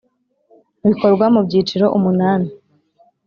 bikorwa mu byiciro umunani.